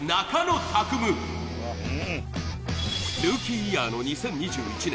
ルーキーイヤーの２０２１年